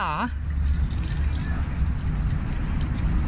เธอทำงานไม่รู้